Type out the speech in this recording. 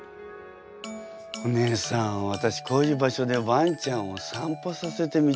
お姉さん私こういう場所でワンちゃんを散歩させてみたいわ。